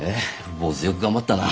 坊主よく頑張ったな。